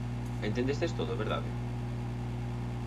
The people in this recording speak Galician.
Entendestes todo, verdade?